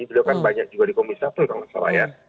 sudah kan banyak juga di komunis satu kalau gak salah ya